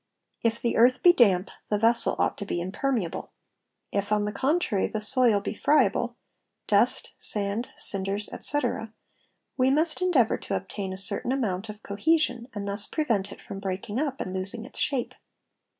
If the earth be damp, the vessel ought to be impermeable ; if on the contrary the soil be friable (dust, sand, cinders, etc.), we must endeavour to obtain a certain amount of cohesion and thus prevent it from breaking up and losing its shape.